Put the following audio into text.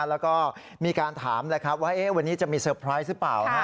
แล้วก็มีการถามแล้วครับว่าวันนี้จะมีเซอร์ไพรส์หรือเปล่า